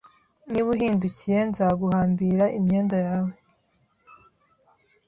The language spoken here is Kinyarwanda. Niba uhindukiye, nzaguhambira imyenda yawe.